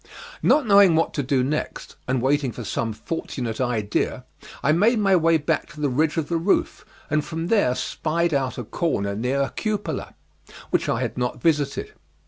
Not knowing what to do next, and waiting for some fortunate idea, I made my way back to the ridge of the roof, and from there spied out a corner near a cupola; which I had not visited.